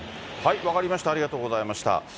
分かりました、ありがとうございました。